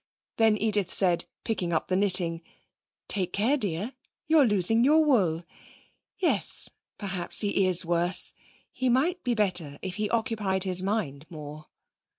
Then Edith said, picking up the knitting: 'Take care, dear, you're losing your wool. Yes; perhaps he is worse. He might be better if he occupied his mind more.'